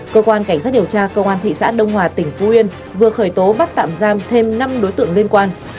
cơ quan cảnh sát điều tra công an thị xã đông hòa tỉnh phú yên vừa khởi tố bắt tạm giam thêm năm đối tượng liên quan